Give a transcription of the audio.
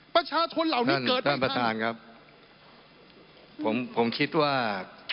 ประชาชนเหล่านี้เกิดทันครับท่านท่านประชาญครับผมผมคิดว่า